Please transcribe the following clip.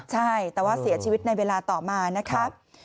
ใช่แต่ว่าเสียชีวิตในเวลาต่อมานะครับ